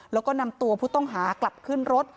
แล้วก็นำตัวพุทธงฮากลับขึ้นรถ